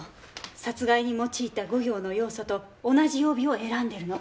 殺害に用いた五行の要素と同じ曜日を選んでるの。